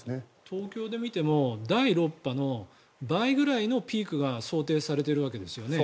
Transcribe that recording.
東京で見ても第６波の倍ぐらいのピークが想定されているわけですよね。